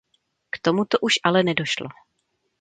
K tomu už ale nedošlo.